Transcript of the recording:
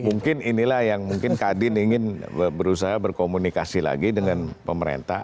mungkin inilah yang mungkin kadin ingin berusaha berkomunikasi lagi dengan pemerintah